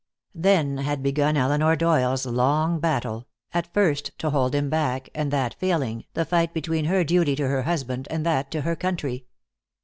Then had begun Elinor Doyle's long battle, at first to hold him back, and that failing, the fight between her duty to her husband and that to her country.